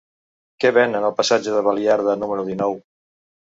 Què venen al passatge de Baliarda número dinou?